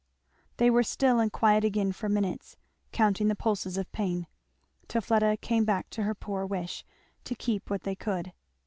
They were still and quiet again for minutes, counting the pulses of pain; till Fleda came back to her poor wish "to keep what they could."